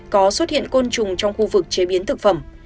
có xuất hiện côn trùng trong khu vực chế biến thực phẩm